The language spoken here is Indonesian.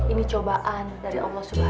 ini cobaan dari allah swt